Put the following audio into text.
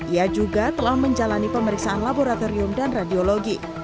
ia juga telah menjalani pemeriksaan laboratorium dan radiologi